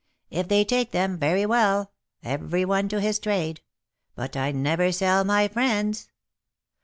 If they take them, very well, every one to his trade; but I never sell my friends.